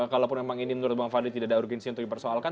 kalaupun memang ini menurut bang fadli tidak ada urgensi untuk dipersoalkan